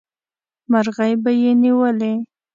مرغۍ به یې نیولې.